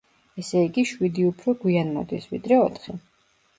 ესე იგი შვიდი უფრო გვიან მოდის, ვიდრე ოთხი.